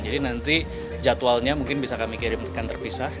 jadi nanti jadwalnya mungkin bisa kami kirimkan terpisah